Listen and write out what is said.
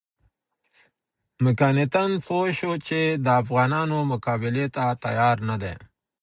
مکناتن پوه شو چې د افغانانو مقابلې ته تیار نه دی.